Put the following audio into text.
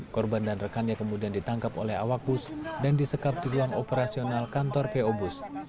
korban dan rekannya kemudian ditangkap oleh awak bus dan disekap di ruang operasional kantor po bus